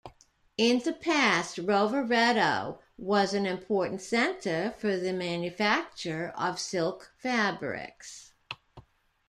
In the past Rovereto was an important centre for the manufacture of silk fabrics.